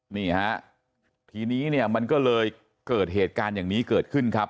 นี่ฮะทีนี้เนี่ยมันก็เลยเกิดเหตุการณ์อย่างนี้เกิดขึ้นครับ